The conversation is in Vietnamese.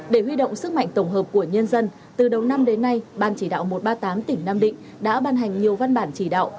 để huy động sức mạnh tổng hợp của nhân dân từ đầu năm đến nay ban chỉ đạo một trăm ba mươi tám tỉnh nam định đã ban hành nhiều văn bản chỉ đạo